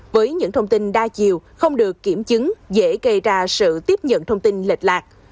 với những thông tin đa chiều không được kiểm chứng dễ gây ra sự tiếp nhận thông tin lệch lạc